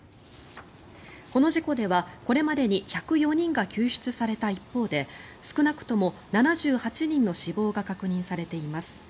この事故ではこれまでに１０４人が救出された一方で少なくとも７８人の死亡が確認されています。